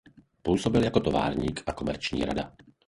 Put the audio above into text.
Působil jako továrník a komerční rada.